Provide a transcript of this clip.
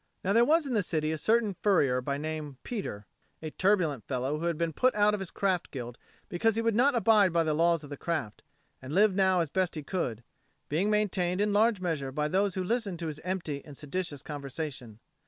Now there was in the city a certain furrier named Peter, a turbulent fellow who had been put out of his craft guild because he would not abide by the laws of the craft, and lived now as he best could, being maintained in large measure by those who listened to his empty and seditious conversation.